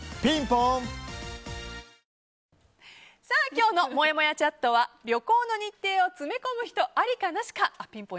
今日のもやもやチャットは旅行の日程を詰め込む人ありか、なしか。